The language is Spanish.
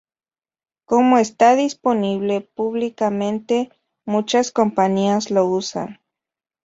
Como está disponible públicamente muchas compañías lo usan.